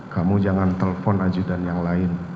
kamu jangan telepon aja dan yang lain